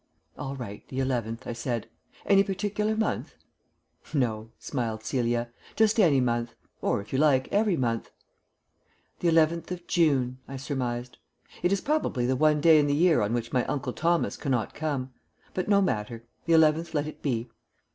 "All right, the eleventh," I said. "Any particular month?" "No," smiled Celia, "just any month. Or, if you like, every month." "The eleventh of June," I surmised. "It is probably the one day in the year on which my Uncle Thomas cannot come. But no matter. The eleventh let it be."